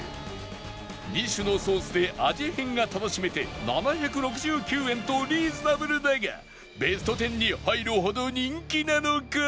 ２種のソースで味変が楽しめて７６９円とリーズナブルだがベスト１０に入るほど人気なのか？